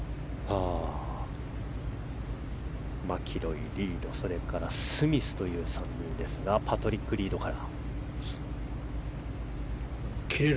マキロイ、リードスミスという３人ですがパトリック・リードから。